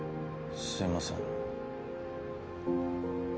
すいません。